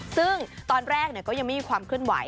ซึ่งตอนแรกก็ยังไม่มีความเคลื่อนไห